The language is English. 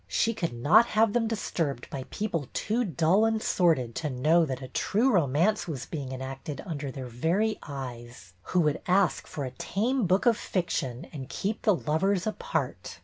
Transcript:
She could not have them disturbed by people too dull and sordid to know that a true romance was being enacted under their very eyes; who would ask for a tame book of fiction and keep the lovers apart.